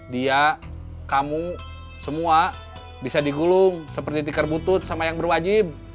dia kamu semua bisa digulung seperti tikar butut sama yang berwajib